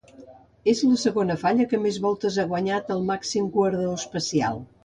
És la segona falla que més voltes ha guanyat el màxim guardó d'especial.